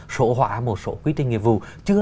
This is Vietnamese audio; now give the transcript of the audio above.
sổ hỏa một số quy trình nghiệp vụ